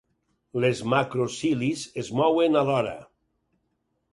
Les macro cilis es mouen alhora.